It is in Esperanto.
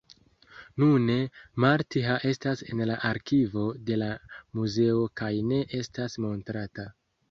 Nune, Martha estas en la arkivo de la muzeo kaj ne estas montrata.